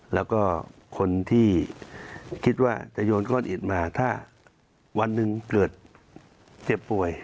แล้วก็คนที่คิดว่าจะโยนก้อนอิดมาถ้าวันหนึ่งเกิดเจ็บป่วย